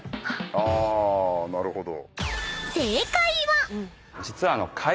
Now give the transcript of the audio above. あなるほど。